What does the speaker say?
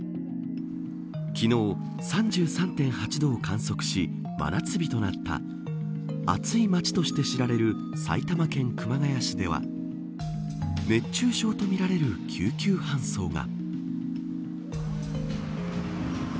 昨日３３．８度を観測し真夏日となった暑い街として知られる埼玉県熊谷市では熱中症とみられる救急搬送が。